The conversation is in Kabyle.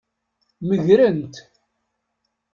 Megren-t.